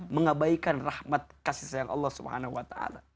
terima kasih sayang allah swt